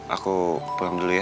aku pulang dulu ya